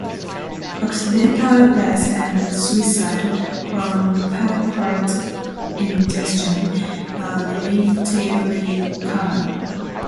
Accidental deaths and suicides from paraquat ingestion are relatively common.